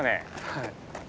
はい。